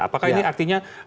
apakah ini artinya